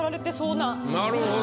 なるほど。